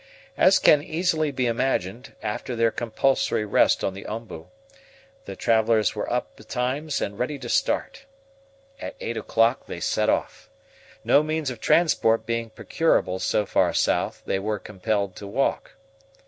As can easily be imagined, after their compulsory rest on the OMBU, the travelers were up betimes and ready to start. At eight o'clock they set off. No means of transport being procurable so far south, they were compelled to walk.